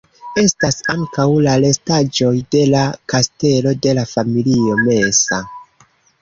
Estas ankaŭ la restaĵoj de la kastelo de la familio Mesa.